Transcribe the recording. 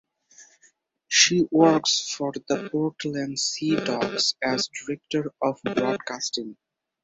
She works for the Portland Sea Dogs as Director of Broadcasting.